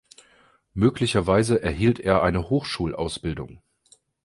Möglicherweise erhielt er eine Hochschulausbildung.